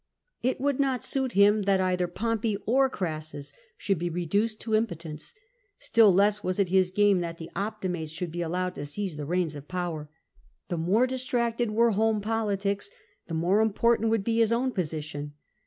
It would not suit him that either Pompey or Crassus should be reduced to impotence ; still less was it his game that the Optimates should be allowed to seize the reins of power. The more distracted were home politics, the more important would be his own position.